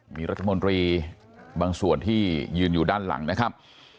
มีรัฐมนตรีบางส่วนที่ยืนอยู่ด้านหลังนะครับ